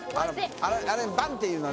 あれバン！っていうのは？